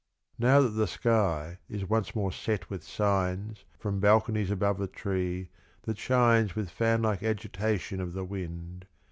Now that the sky is once more set with signs From balconies above a tree that shines With fan like agitation of the wind.